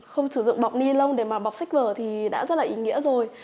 không sử dụng bọc ni lông để mà bọc sách vở thì đã rất là ý nghĩa rồi